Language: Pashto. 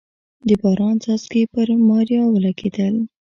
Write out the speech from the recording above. د باران څاڅکي پر ماريا ولګېدل.